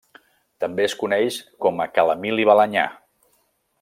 També es coneix com a ca l'Emili Balanyà.